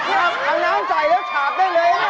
เดียวกับปูนถังน้ำจ่ายแล้วฉาบได้เลยนะ